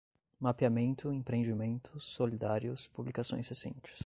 Mapeamento, empreendimentos, solidários, publicações recentes